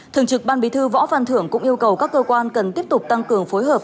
thường trực ban bí thư võ văn thưởng cũng yêu cầu các cơ quan cần tiếp tục tăng cường phối hợp